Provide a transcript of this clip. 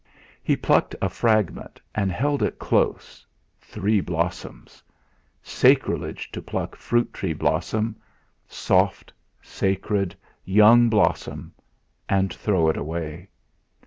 He plucked a fragment and held it close three blossoms. Sacrilege to pluck fruit tree blossom soft, sacred, young blossom and throw it away!